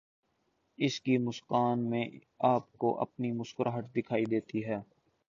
ان کی مسکان میں آپ کو اپنی مسکراہٹ دکھائی دیتی ہے۔